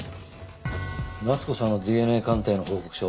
夏子さんのＤＮＡ鑑定の報告書